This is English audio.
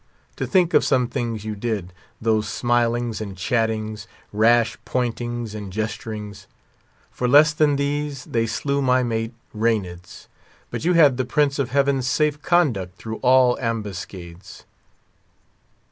To think of some things you did—those smilings and chattings, rash pointings and gesturings. For less than these, they slew my mate, Raneds; but you had the Prince of Heaven's safe conduct through all ambuscades."